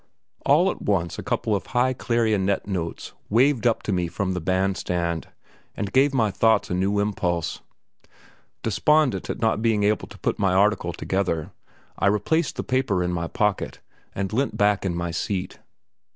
All at once a couple of high clarionet notes waved up to me from the bandstand, and gave my thoughts a new impulse. Despondent at not being able to put my article together, I replaced the paper in my pocket, and leant back in the seat.